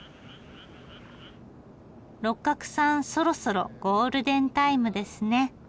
六角さんそろそろゴールデンタイムですね。